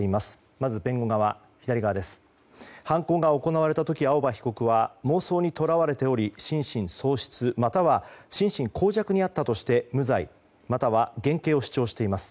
まず弁護側犯行が行われた時、青葉被告は心神喪失、または心神耗弱にあったとして無罪または減刑を主張しています。